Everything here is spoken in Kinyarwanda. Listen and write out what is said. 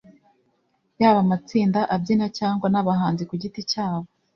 yaba amatsinda abyina cyangwa n’abahanzi ku giti cyabo